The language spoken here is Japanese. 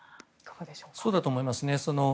そうだと思いますね。